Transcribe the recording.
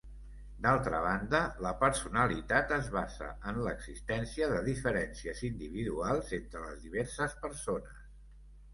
D'altra banda, la personalitat es basa en l'existència de diferències individuals entre les diverses persones.